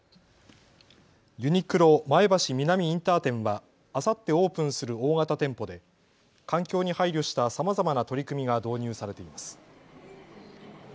ユニクロ前橋南インター店はあさってオープンする大型店舗で環境に配慮したさまざまな取り組みが導入されています。